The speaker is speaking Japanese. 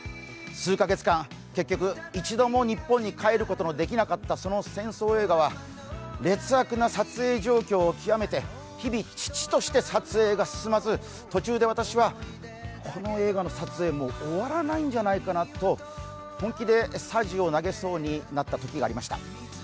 数カ月間、結局一度日本に帰ることのできなかった、その戦争映画は劣悪な撮影状況を極めて、日々、遅々として撮影状況が進まず途中で私はこの映画の撮影、もう終わらないんじゃないかなと本気でさじを投げそうになったときがありました。